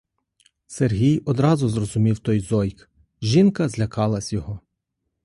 Сергій одразу зрозумів той зойк — жінка злякалась його.